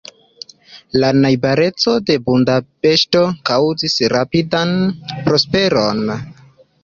La najbareco de Budapeŝto kaŭzis rapidan prosperon.